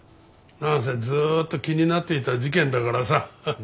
なんせずっと気になっていた事件だからさ。